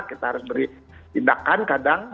kita harus beri tindakan kadang